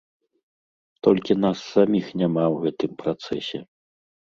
Толькі нас саміх няма ў гэтым працэсе.